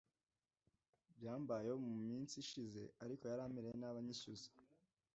Byambayeho muminsi ishize ariko yaramereye nabi anyishyuza